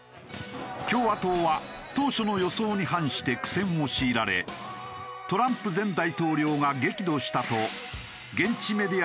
共和党は当初の予想に反して苦戦を強いられトランプ前大統領が激怒したと現地メディアの報道も。